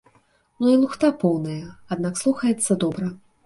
Ну лухта поўная, аднак слухаецца добра!